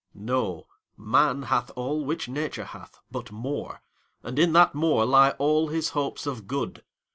Know, man hath all which Nature hath, but more, And in that more lie all his hopes of good.